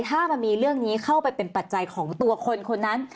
ถ้ามันมีเรื่องนี้เข้าไปเป็นปัจจัยของตัวคนคนนั้น